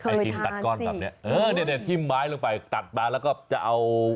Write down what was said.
ไอทีมตัดก้อนแบบเนี้ยเออเนี่ยทิ้มไม้ลงไปตัดมาแล้วก็จะเอา